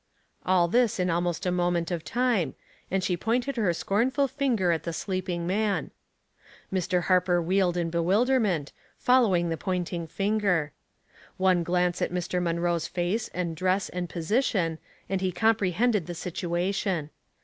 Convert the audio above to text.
All this in almost a moment of time, and she pointed her scornful finger at the sleeping man. Mr. Harper wheeled in bewilderment, following the pointing finger. One glance at Mr. Munroe's face and dress and position, and he comprehended the situation.